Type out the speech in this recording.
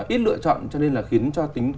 ít lựa chọn cho nên là khiến cho tính